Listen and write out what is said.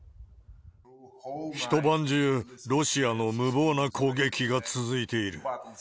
一晩中、ロシアの無謀な攻撃が続いている。